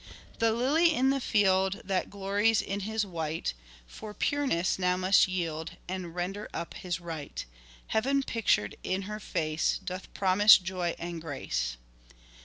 "The Lily in the field That glories in his white, For pureness now must yield And render up his right. Heaven pictured in her face Doth promise joy and grace.